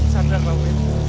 sadar mbak win